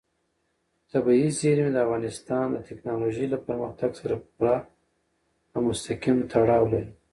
طبیعي زیرمې د افغانستان د تکنالوژۍ له پرمختګ سره پوره او مستقیم تړاو لري.